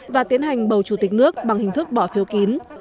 và tiến hành bầu chủ tịch nước bằng hình thức bỏ phiếu kín